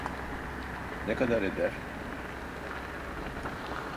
Ne kadar eder?